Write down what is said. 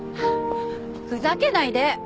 ふざけないで。